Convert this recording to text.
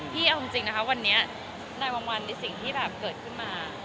เอาจริงนะคะวันนี้นายบางวันในสิ่งที่แบบเกิดขึ้นมา